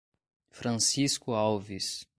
Francisco Alves